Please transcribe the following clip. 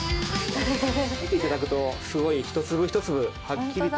見て頂くとすごい一粒一粒はっきりと。